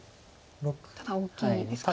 ただ大きいですか。